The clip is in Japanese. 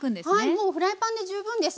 もうフライパンで十分です。